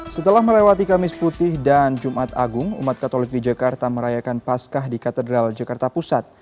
setelah melewati kamis putih dan jumat agung umat katolik di jakarta merayakan paskah di katedral jakarta pusat